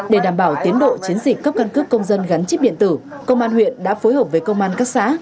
để đảm bảo tiến độ chiến dịch cấp căn cước công dân gắn chip điện tử công an huyện đã phối hợp với công an các xã